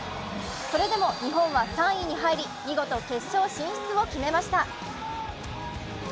それでも日本は３位に入り見事決勝進出を決めました。